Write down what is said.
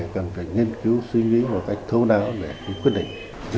cần phải nghiên cứu suy nghĩ một cách thấu đáo về quyết định